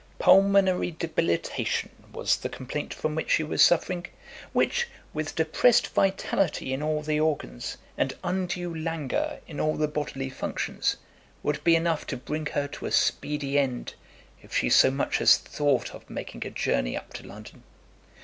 Pulmonary debilitation was the complaint from which she was suffering, which, with depressed vitality in all the organs, and undue languor in all the bodily functions, would be enough to bring her to a speedy end if she so much as thought of making a journey up to London.